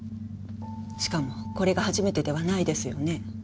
しかもこれが初めてではないですよね？